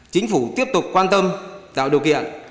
chính phủ tiếp tục quan tâm tạo điều kiện